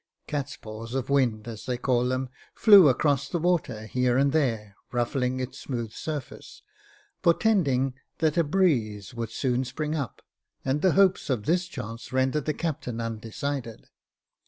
Cat's paws of wind, as they call them, flew across the water here and there, ruffling its smooth surface, portending that a breeze Jacob Faithful 363 would soon spring up, and the hopes of this chance rendered the captain undecided.